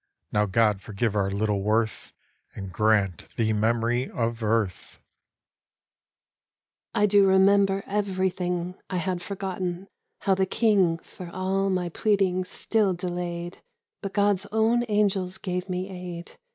Now God forgive our little worth And grant thee memory of earth! Jeanne d'Arc : I do remember everything I had forgotten : how the king For all my pleading still delayed, But God's own angels gave me aid.